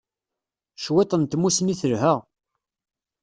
Cwiṭ n tmussni telha.